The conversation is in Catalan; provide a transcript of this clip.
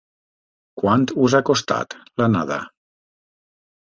Quant us ha costat, l'anada?